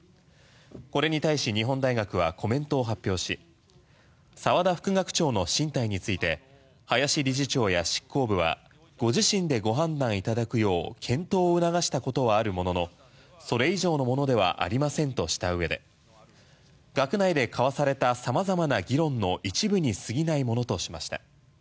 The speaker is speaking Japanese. これに対し日本大学はコメントを発表し澤田副学長の進退について林理事長や執行部はご自身でご判断いただくよう検討を促したことはあるもののそれ以上のものではありませんとした上で学内で交わされた様々な議論の一部にすぎないものとしました。